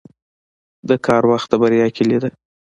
• د کار وخت د بریا کلي ده.